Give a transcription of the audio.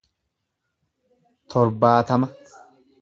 torbaatama